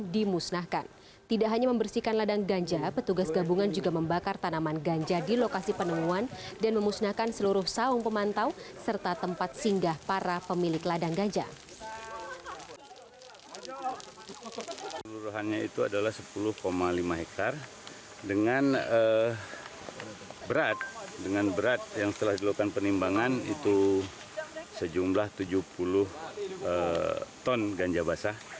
dengan berat dengan berat yang setelah dilakukan penimbangan itu sejumlah tujuh puluh ton ganja basah